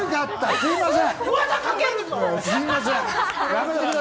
すいません。